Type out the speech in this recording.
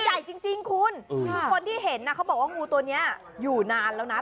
ใหญ่จริงคุณคนที่เห็นเขาบอกว่างูตัวนี้อยู่นานแล้วนะ